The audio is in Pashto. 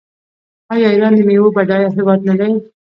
آیا ایران د میوو بډایه هیواد نه دی؟